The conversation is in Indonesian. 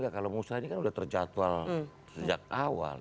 kalau musyawarah ini kan sudah terjatuhal sejak awal